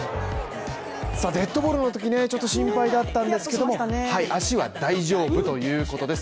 デッドボールのとき、ちょっと心配だったんですけども足は大丈夫ということです。